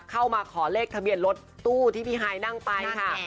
เข้ามาขอเลขทะเบียนรถตู้ที่พี่ฮายนั่งไปค่ะ